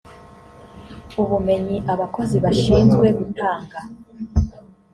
ubumenyi abakozi bashinzwe gutanga